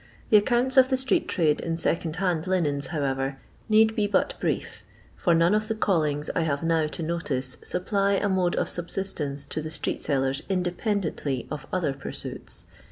The accounts of the street trade in second hand linens, however, need be but brief; for none of the callings I have now to notice supply a mode of subsistence to the street sellers independently of other pursuits.